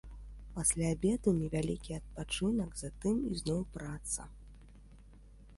Пасля абеду невялікі адпачынак, затым ізноў праца.